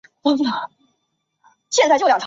岳灰蝶属是灰蝶科眼灰蝶亚科中的一个属。